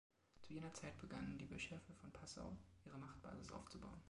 Zu jener Zeit begannen die Bischöfe von Passau, ihre Machtbasis aufzubauen.